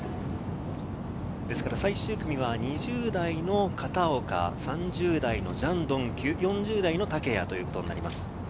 最終組は２０代の片岡、３０代のジャン・ドンキュ、４０代の竹谷ということになります。